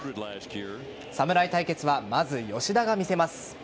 侍対決は、まず吉田が見せます。